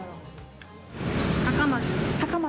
高松。